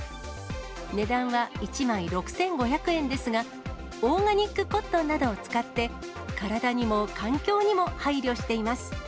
値段は１枚６５００円ですが、オーガニックコットンなどを使って、体にも環境にも配慮しています。